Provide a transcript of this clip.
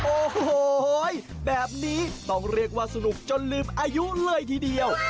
โอ้โหแบบนี้ต้องเรียกว่าสนุกจนลืมอายุเลยทีเดียว